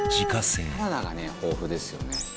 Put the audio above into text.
「サラダがね豊富ですよね」